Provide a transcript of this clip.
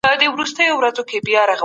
ميرويس خان نيکه بېرته اصفهان ته ولي ولاړ؟